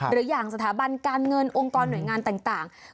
หรืออย่างสถาบันการเงินองค์กรหน่วยงานต่าง